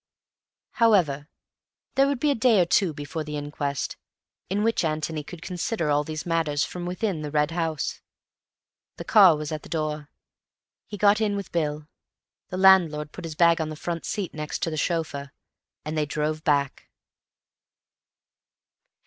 However, there would be a day or two before the inquest, in which Antony could consider all these matters from within The Red House. The car was at the door. He got in with Bill, the landlord put his bag on the front seat next to the chauffeur, and they drove back.